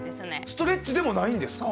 ストレッチでもないんですね。